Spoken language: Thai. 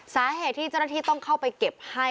สาเหตุที่เจ้าหน้าที่ต้องเข้าไปเก็บให้